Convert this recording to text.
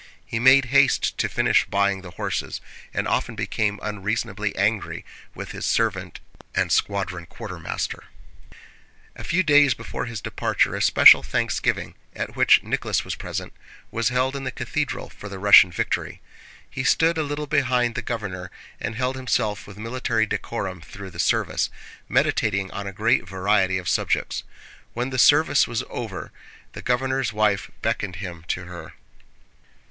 He made haste to finish buying the horses, and often became unreasonably angry with his servant and squadron quartermaster. A few days before his departure a special thanksgiving, at which Nicholas was present, was held in the cathedral for the Russian victory. He stood a little behind the governor and held himself with military decorum through the service, meditating on a great variety of subjects. When the service was over the governor's wife beckoned him to her.